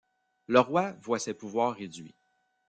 Le roi voit ses pouvoirs réduits.